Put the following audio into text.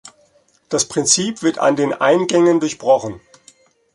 Das Prinzip wird an den Eingängen durchbrochen.